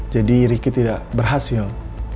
jadi riki tidak berhasil